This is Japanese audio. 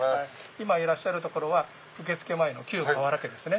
今いらっしゃる所は受付前の旧河原家ですね。